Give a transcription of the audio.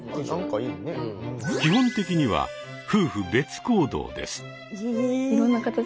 基本的には夫婦別行動です。